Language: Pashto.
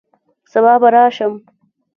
سبا به راشم